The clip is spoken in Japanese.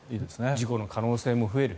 事故の可能性が増える